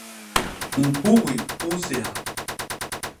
ñkugi u nséha.